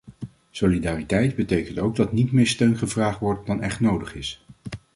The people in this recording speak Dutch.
Solidariteit betekent ook dat niet meer steun gevraagd wordt dan echt nodig is.